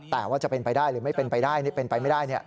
แต่ว่าจะเป็นไปได้หรือไม่เป็นไปได้นี่เป็นไปไม่ได้